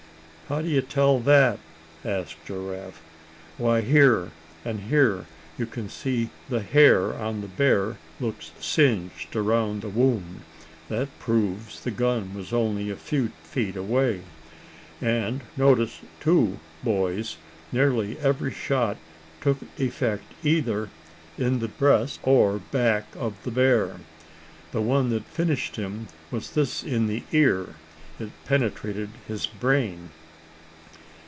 "How d'ye tell that?" asked Giraffe. "Why, here, and here you can see the hair on the bear looks singed around a wound. That proves the gun was only a few feet away. And notice too, boys, nearly every shot took effect either in the breast or back of the bear. The one that finished him was this in the ear. It penetrated his brain."